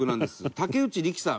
竹内力さん。